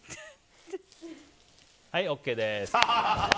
はいＯＫです。